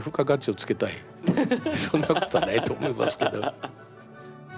そんなことはないと思いますけど。